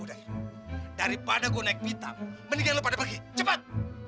daripada gue naik pitam mendingan lo pada pergi cepat